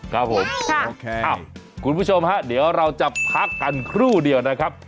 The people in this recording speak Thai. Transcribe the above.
ครับผมโอเคคุณผู้ชมฮะเดี๋ยวเราจะพักกันครู่เดียวนะครับ